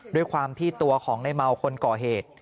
ด้วยความที่ตัวของในเมาคนก่อเหตุ